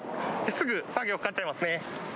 すぐ作業かかっちゃいますね。